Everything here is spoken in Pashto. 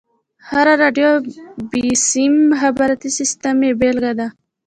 هره راډيو او بيسيم مخابراتي سيسټم يې بېلګه ده.